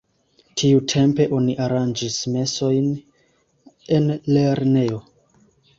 Tiutempe oni aranĝis mesojn en lernejo.